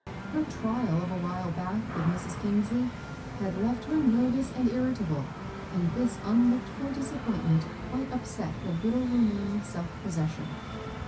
Her trial of a while back with Mrs. Eangsley had left her nervous and irri table, and this unlooked for disappointment quite upset her little remaining self possession.